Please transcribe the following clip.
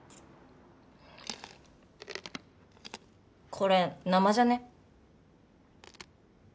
これ生じゃね？